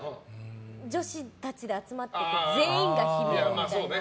女子たちが集まってて全員が悲鳴みたいな。